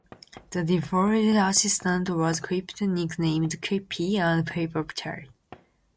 The default assistant was "Clippit", nicknamed "Clippy", a paperclip.